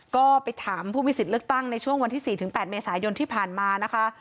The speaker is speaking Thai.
ก็ไปถามผู้มีสิทธิ์เลือกตั้งในช่วงวันที่๔๘เมษายนที่ผ่านมานะคะ